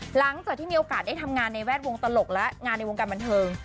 หลังจากที่มีโอกาสได้ทำงานในแวดวงตลกและงานในวงการบันเทิง